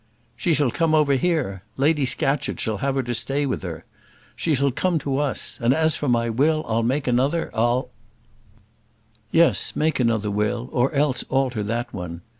"She shall come over here. Lady Scatcherd shall have her to stay with her. She shall come to us. And as for my will, I'll make another. I'll " "Yes, make another will or else alter that one.